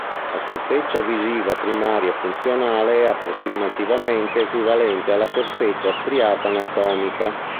La corteccia visiva primaria funzionale è approssimativamente equivalente alla corteccia striata anatomica.